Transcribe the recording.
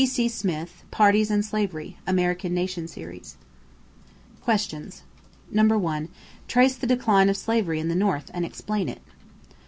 T.C. Smith, Parties and Slavery (American Nation Series). =Questions= 1. Trace the decline of slavery in the North and explain it.